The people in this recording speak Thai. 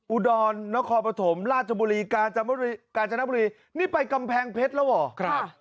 อุดรนครปฐมราชบุรีกาญจนกาญจนบุรีนี่ไปกำแพงเพชรแล้วเหรอ